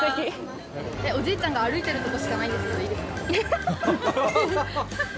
・おじいちゃんが歩いてるとこしかないんですけどいいですか？